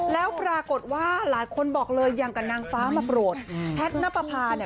แล้วปรากฏว่าหลายคนบอกเลยอย่างกับนางฟ้ามาโปรดแพทย์นับประพาเนี่ย